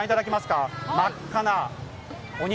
この真っ赤なお肉。